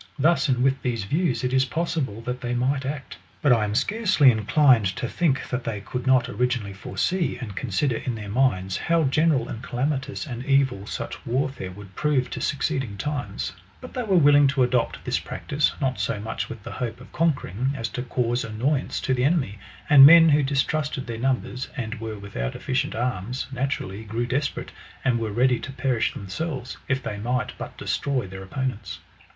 Thus, and with these views, it is possible that they might act. But I am scarcely inclined to thinh that they could not originally foresee, and consider in their minds, how general and calamitous an evil such warfare would prove to succeeding B. V. 1346 1375. LUCRETIUS. 241 times. But they were willing to adopt ' this practice, not so much with the hope of conquering, as to cause annoyance to the enemy ; and men who distrusted their numbers, and were without efficient arms, naturally grew desperate, and were ready to perish themselves, if they might hut destroy their op ponents.